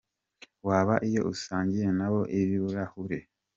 wabo iyo usangiye nabo ibirahure.